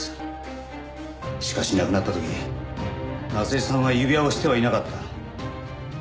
しかし亡くなった時夏恵さんは指輪をしてはいなかった。